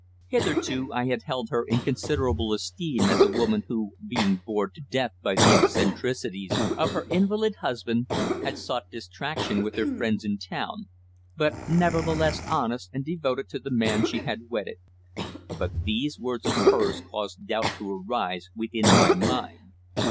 Hitherto I had held her in considerable esteem as a woman who, being bored to death by the eccentricities of her invalid husband, had sought distraction with her friends in town, but nevertheless honest and devoted to the man she had wedded. But these words of hers caused doubt to arise within my mind.